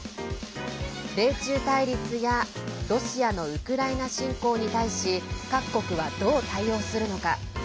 米中対立やロシアのウクライナ侵攻に対し各国は、どう対応するのか。